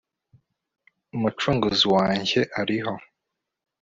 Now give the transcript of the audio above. Umucunguzi wanjye ariho